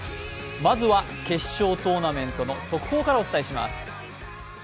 まずは決勝トーナメントの速報からお伝えします。